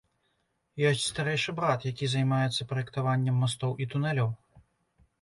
Ёсць старэйшы брат, які займаецца праектаваннем мастоў і тунэляў.